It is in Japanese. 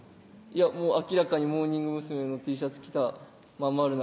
明らかにモーニング娘。のＴシャツ着た真ん丸な